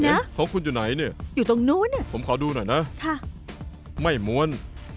เฮ้ยเขาคุณอยู่ไหนเนี่ยผมขอดูหน่อยนะไม่ม้วน